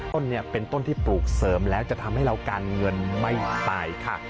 ต้นนี้เป็นต้นที่ปลูกเสริมแล้วจะทำให้เราการเงินไม่ตายค่ะ